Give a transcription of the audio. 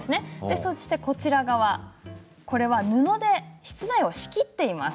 そして右側の写真は布で室内を仕切っています。